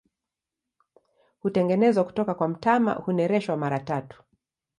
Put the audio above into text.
Hutengenezwa kutoka kwa mtama, hunereshwa mara tatu.